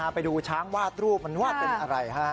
ไปดูช้างวาดรูปมันวาดเป็นอะไรฮะ